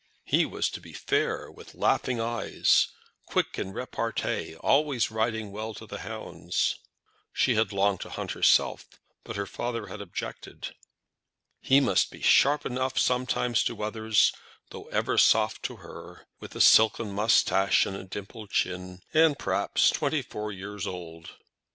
He was to be fair, with laughing eyes, quick in repartee, always riding well to hounds. She had longed to hunt herself, but her father had objected. He must be sharp enough sometimes to others, though ever soft to her, with a silken moustache and a dimpled chin, and perhaps twenty four years old.